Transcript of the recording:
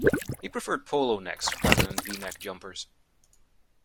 He preferred polo necks rather than V-neck jumpers